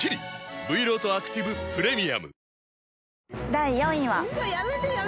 第４位は。